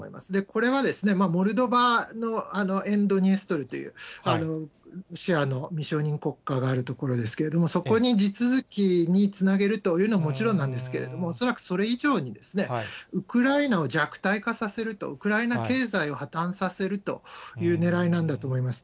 これはモルドバの沿ドニエストルというロシアの未承認国家がある所ですけれども、そこに地続きにつなげるというのはもちろんなんですけれども、恐らくそれ以上に、ウクライナを弱体化させると、ウクライナ経済を破綻させるというねらいなんだと思います。